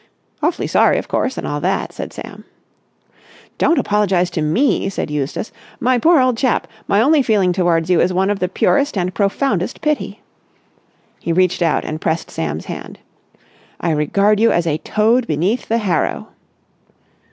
"Awfully sorry, of course, and all that," said Sam. "Don't apologise to me!" said Eustace. "My poor old chap, my only feeling towards you is one of the purest and profoundest pity." He reached out and pressed Sam's hand. "I regard you as a toad beneath the harrow!"